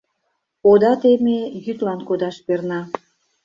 — Ода теме — йӱдлан кодаш перна.